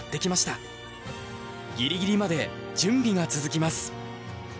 ぎりぎりまで準備が続きます。